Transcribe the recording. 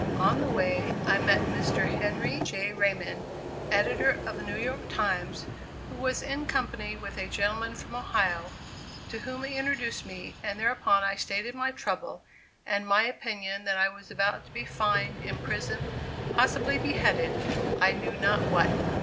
On the way, I met Mr. Henry J. Raymond, editor of the New York Times, who was in company with a gentleman from Ohio, to whom he introduced me, and thereupon I stated my trouble, and my opinion that I was about to be fined, imprisoned, possibly beheaded, I knew not what.